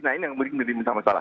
nah ini yang menjadi masalah